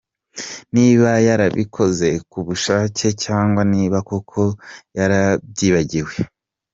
niba yarabikoze ku bushake cyangwa niba koko yarabyibagiwe.